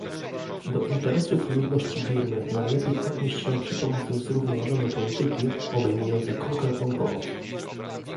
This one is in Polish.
Do interesów ludności Birmy najlepiej odnieść się przy pomocy zrównoważonej polityki, obejmującej konkretną pomoc